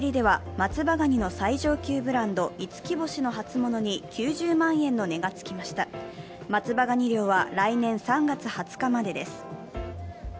松葉がに漁は来年３月２０日までです。